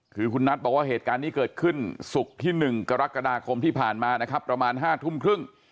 คือคุณนัทบอกว่าเหตุการณ์นี้เกิดขึ้นศุกร์ที่๑กรกฎาคมที่ผ่านมานะครับประมาณ๕ทุ่มครึ่ง